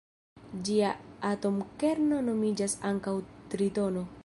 Ĝia atomkerno nomiĝas ankaŭ tritono.